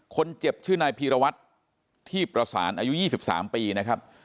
คนเจ็บชื่อนายพีรวัตรที่ประสานอายุ๒๓ปีนะครับ